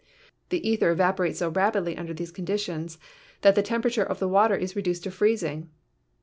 The ether evapo rates so rapidly under these conditions that the tempera ture of the water is reduced to freezing.